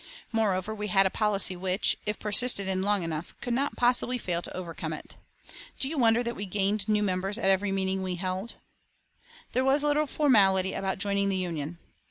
Moreover we had a policy which, if persisted in long enough, could not possibly fail to overcome it. Do you wonder that we gained new members at every meeting we held? There was little formality about joining the Union.